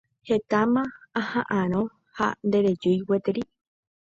Hetáma aha'ãrõ ha nderejúi gueteri.